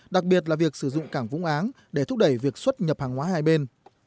đặc biệt là việc sử dụng cảng vũng áng để thúc đẩy việc xuất nhập hàng hóa hai bên